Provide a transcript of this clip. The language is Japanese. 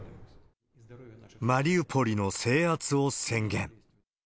マリウポリの制圧を宣言。